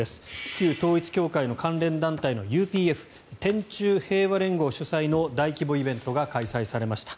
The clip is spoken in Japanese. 旧統一教会の関連団体のＵＰＦ・天宙平和連合の主催の大規模イベントが開催されました。